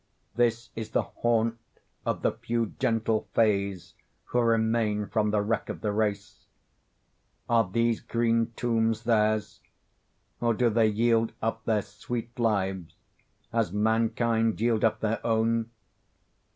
This is the haunt of the few gentle Fays who remain from the wreck of the race. Are these green tombs theirs?—or do they yield up their sweet lives as mankind yield up their own?